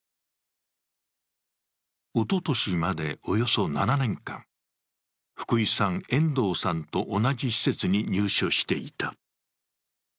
おととしまで、およそ７年間、福井さん、遠藤さんと同じ施設に入所していた。